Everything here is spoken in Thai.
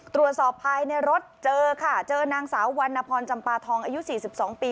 ตรวจสอบภายในรถเจอค่ะเจอนางสาววรรณพรจำปาทองอายุ๔๒ปี